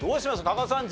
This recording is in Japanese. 加賀さん